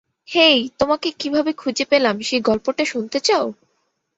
হেই, তোমাকে কীভাবে খুঁজে পেলাম সেই গল্পটা জানতে চাও?